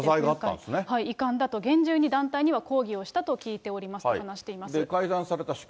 遺憾だと、厳重に団体には抗議をしたと聞いておりますと話しています。